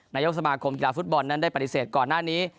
นายกสมาคมกีฬาฟุตบอลนั้นได้ปฏิเสธก่อนหน้านี้